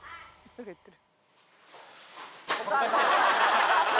何か言ってる。